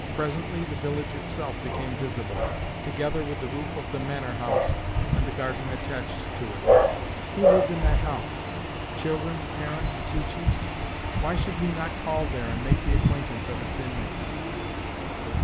Presently the village itself became visible, together with the roof of the manor house and the garden attached to it. Who lived in that house? Children, parents, teachers? Why should we not call there and make the acquaintance of its inmates?